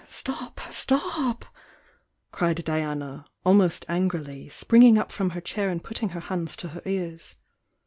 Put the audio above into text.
" "Stop,— stop!" cried Diana, almost angrily, springing up from her chair and putting her hands to her ears.